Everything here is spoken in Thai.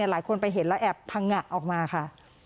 หลายคนไปเห็นแล้วแอบพังงะออกมาค่ะ